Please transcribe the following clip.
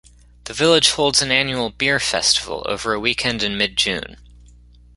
The village holds an annual Beer Festival, over a weekend in mid-June.